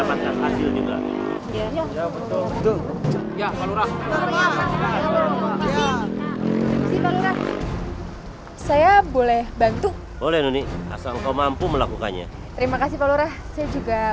pasti saya akan horns video ini lebih mudah dari yang reactive saya